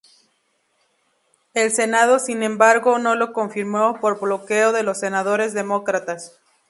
El Senado, sin embargo, no lo confirmó por bloqueo de los senadores demócratas.